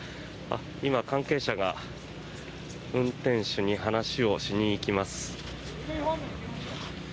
今、関係者が運転手に話をしに行きます。